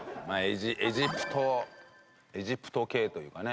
エジプトエジプト系というかね。